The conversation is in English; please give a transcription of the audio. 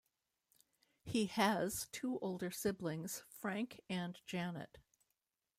He has two older siblings, Frank and Janet.